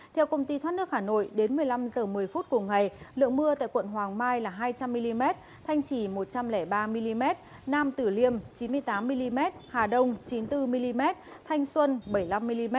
theo công ty thoát nước hà nội đến một mươi năm h một mươi phút cùng ngày lượng mưa tại quận hoàng mai là hai trăm linh mm thanh chỉ một trăm linh ba mm nam tử liêm chín mươi tám mm hà đông chín mươi bốn mm thanh xuân bảy mươi năm mm